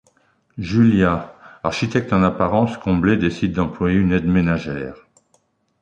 Julia, architecte en apparence comblée, décide d'employer une aide ménagère.